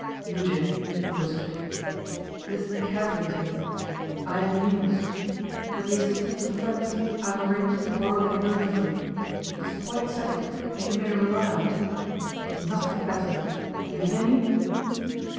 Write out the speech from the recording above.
'Eugen,' he whispered, 'listen carefully to me. I have news. With the assistance of friends I have arranged to borrow that million for you. It is quite settled, and you may rely on it. But you must get better. Do you hear me?